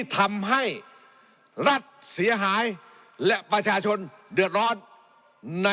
ทำให้รัฐเสียหายและประชาชน